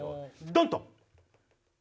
ドンと！